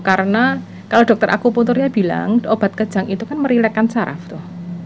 karena kalau dokter aku ponturya bilang obat kejang itu kan merilekkan saraf tuh